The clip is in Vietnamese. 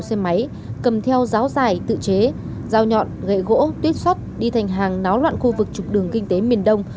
nhiều xe máy cầm theo ráo giải tự chế rào nhọn gậy gỗ tuyết xót đi thành hàng náo loạn khu vực trục đường kinh tế miền đông